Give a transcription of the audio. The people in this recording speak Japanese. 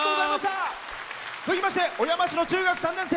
続きまして小山市の中学３年生。